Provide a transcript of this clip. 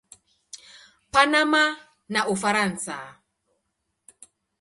Panama na Ufaransa.